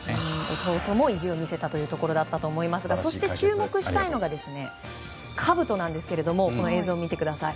弟の意地を見せたというところだと思いますがそして注目したいのがかぶとなんですがこの映像を見てください。